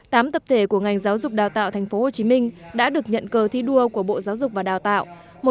tám tập thể của ngành giáo dục đào tạo tp hcm đã được nhận cờ thi đua của bộ giáo dục và đào tạo